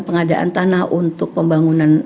pengadaan tanah untuk pembangunan